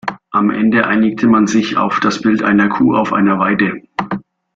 Am Ende einigte man sich auf das Bild einer Kuh auf einer Weide.